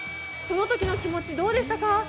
そのときの気持ちどうでしたか？